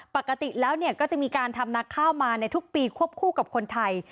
ปกติแล้วก็จะมีการทำนักข้าวมาในทุกปีควบคู่กับคนไทย